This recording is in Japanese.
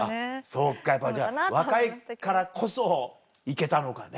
そうかやっぱりじゃあ若いからこそ行けたのかね。